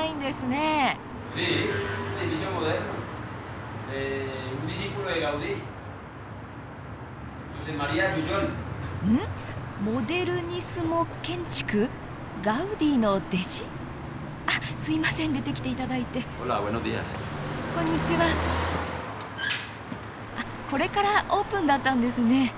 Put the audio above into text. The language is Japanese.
あっこれからオープンだったんですね。